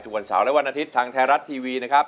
วันเสาร์และวันอาทิตย์ทางไทยรัฐทีวีนะครับ